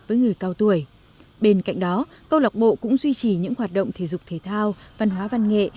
với người cao tuổi bên cạnh đó câu lạc bộ cũng duy trì những hoạt động thể dục thể thao văn hóa văn nghệ